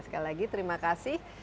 sekali lagi terima kasih